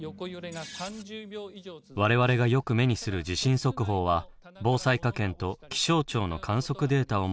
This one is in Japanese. われわれがよく目にする地震速報は防災科研と気象庁の観測データをもとに発信されています。